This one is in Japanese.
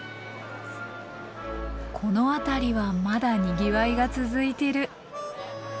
この辺りはまだにぎわいが続いてる。